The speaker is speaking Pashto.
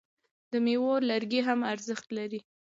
د میوو لرګي هم ارزښت لري.